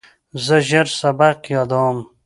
زه ژر سبق یادوم.